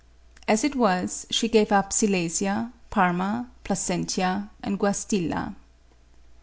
As it was, she gave up Silesia, Parma, Placentia, and Guastilla.